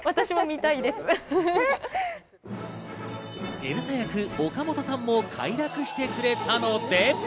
エルサ役、岡本さんも快諾してくれたので。